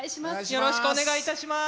よろしくお願いします。